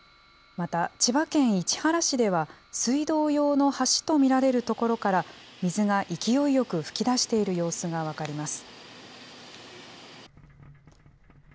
また、千葉県市原市では、水道用の橋と見られる所から水が勢いよく噴き出している様子が分かります。